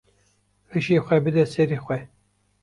Hişê xwe bide serê xwe.